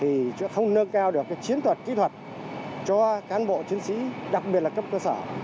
nếu chúng ta không có biện pháp không có chiến thuật kỹ thuật để mà giảm bớt cái nồng độ